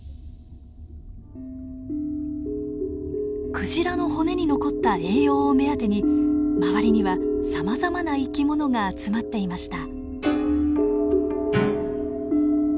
クジラの骨に残った栄養を目当てに周りにはさまざまな生き物が集まっていました。